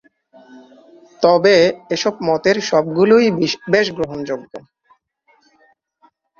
তবে এসব মতের সবগুলোই বেশ গ্রহণযোগ্য।